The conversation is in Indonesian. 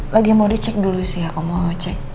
lagi mau dicek dulu sih aku mau ngecek